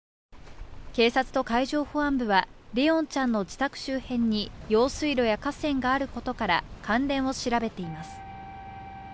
警察と海上保安部は怜音ちゃんの自宅周辺に用水路や河川があることから関連を調べています。